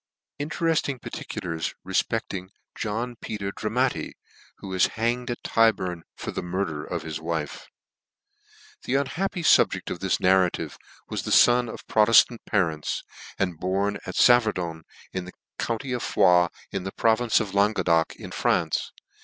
Interefting Particulars refpecling JOHN PETER DRAMATTI, who was hanged at Tyburn for the Murder of his Wife. HPHE unhappy fubje6l of this narrative was * the fon of Proteftant parents, and born at Saverdun, in the county of Foix, and province of Languedoc, in France.